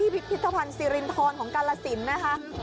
พิพิธภัณฑ์สิรินทรของกาลสินนะคะ